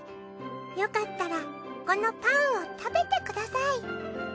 よかったらこのパンを食べてください。